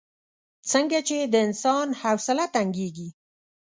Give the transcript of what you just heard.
څنګه چې د انسان حوصله تنګېږي.